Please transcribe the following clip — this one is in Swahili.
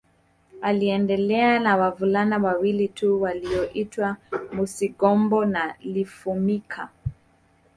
Aliendelea na wavulana wawili tu walioitwa Musigombo na Lifumika